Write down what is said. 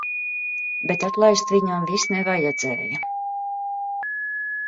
Bet atlaist viņam vis nevajadzēja.